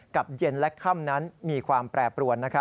เย็นและค่ำนั้นมีความแปรปรวน